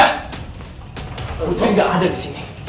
putri gak ada di sini